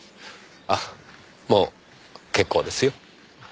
あもう結構ですよ。